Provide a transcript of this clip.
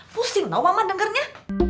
pusing tau mama dengernya